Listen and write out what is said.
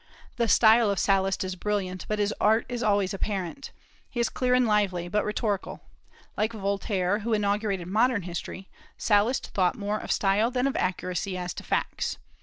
The style of Sallust is brilliant, but his art is always apparent; he is clear and lively, but rhetorical. Like Voltaire, who inaugurated modern history, Sallust thought more of style than of accuracy as to facts.